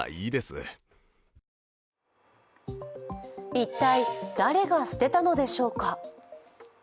一体、誰が捨てたのでしょうか。